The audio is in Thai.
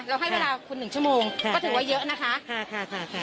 เราให้เวลาคุณ๑ชั่วโมงก็ถือว่าเยอะนะคะค่ะค่ะค่ะ